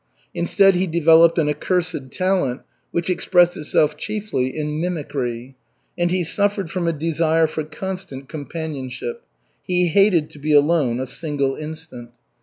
Instead, he developed an accursed talent, which expressed itself chiefly in mimickry. And he suffered from a desire for constant companionship. He hated to be alone a single instant.